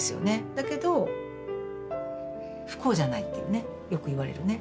だけど不幸じゃないっていうねよく言われるね。